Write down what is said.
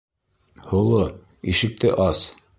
— Һоло, ишекте ас!